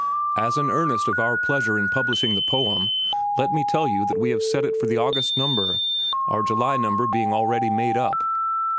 As an earnest of our pleasure in publishing the poem, let me tell you that we have set it for the August number, our July number being already made up.